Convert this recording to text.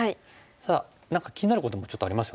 ただ何か気になることもちょっとありますよね。